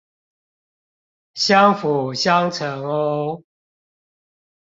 相輔相成哦